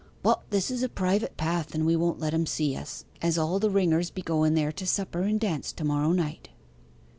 But this is a private path, and we won't let 'em see us, as all the ringers be goen there to a supper and dance to morrow night.